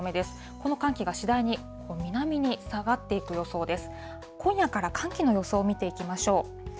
この寒気が次第に南に下がっていく予想です。